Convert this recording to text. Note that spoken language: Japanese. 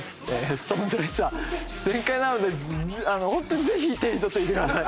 ＳｉｘＴＯＮＥＳらしさ全開なので本当にぜひ手に取ってみてください。